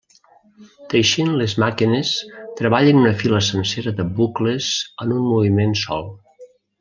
Teixint les màquines treballen una fila sencera de bucles en un moviment sol.